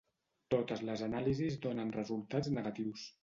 Totes les anàlisis donen resultats negatius.